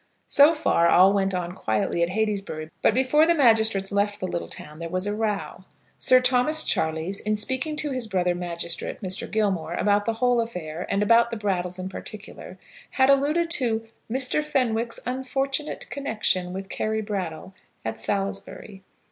So far all went on quietly at Heytesbury; but before the magistrates left the little town there was a row. Sir Thomas Charleys, in speaking to his brother magistrate, Mr. Gilmore, about the whole affair and about the Brattles in particular, had alluded to "Mr. Fenwick's unfortunate connexion with Carry Brattle" at Salisbury.